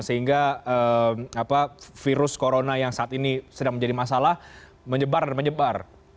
sehingga virus corona yang saat ini sedang menjadi masalah menyebar dan menyebar